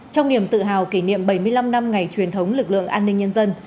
trong niềm tự hào kỷ niệm bảy mươi năm năm ngày truyền thống lực lượng an ninh nhân dân